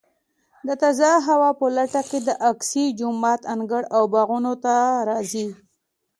د تازه هوا په لټه کې د اقصی جومات انګړ او باغونو ته راځي.